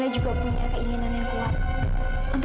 jangan ke abi dengan liburan ini rumah tangga kita esta